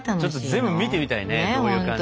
全部見てみたいねどういう感じなのか。